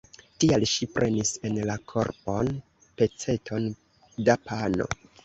Tial ŝi prenis en la korbon peceton da pano.